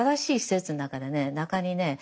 中にね